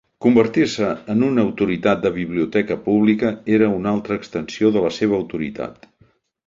Convertir-se en una autoritat de biblioteca pública era una altra extensió de la seva autoritat.